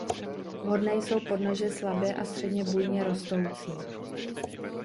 Vhodné jsou podnože slabě a středně bujně rostoucí.